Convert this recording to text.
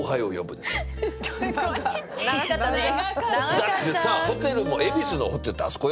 だってさホテルも恵比寿のホテルってあそこよ？